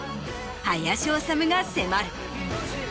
林修が迫る。